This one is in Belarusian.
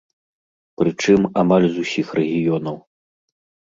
Прычым, амаль з усіх рэгіёнаў.